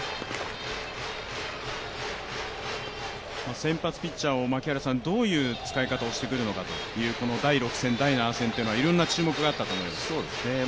先発ピッチャーをどういう使い方をしてくるのかという、第６戦、第７戦というのはいろんな注目があったと思いますが。